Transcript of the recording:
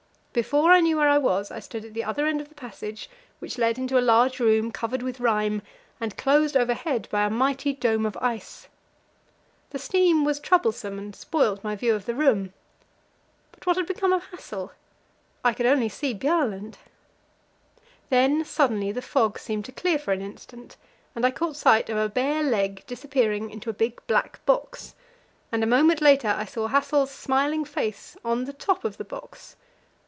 Before I knew where I was, I stood at the other end of the passage, which led into a large room, covered with rime, and closed overhead by a mighty dome of ice. The steam was troublesome, and spoilt my view of the room. But what had become of Hassel? I could only see Bjaaland. Then suddenly the fog seemed to clear for an instant, and I caught sight of a bare leg disappearing into a big black box, and a moment later I saw Hassel's smiling face on the top of the box.